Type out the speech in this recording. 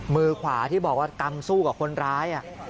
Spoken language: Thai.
มือขวาที่บอกว่ากำสู้กับคนร้าย